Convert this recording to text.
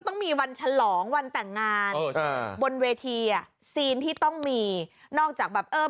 ต้องมีวันฉลองวันแต่งงานเออใช่